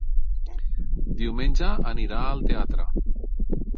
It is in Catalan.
Diumenge anirà al teatre.